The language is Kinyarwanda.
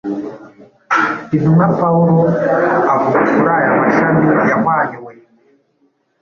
Intumwa Pawulo avuga kuri aya mashami yahwanyuwe